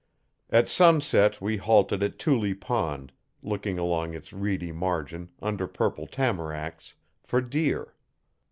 At sunset we halted at Tuley Pond, looking along its reedy margin, under purple tamaracks, for deer.